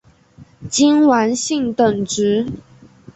金丸信等职。